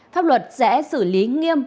pháp luật sẽ xử lý nghiêm